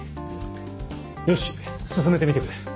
よし進めてみてくれ。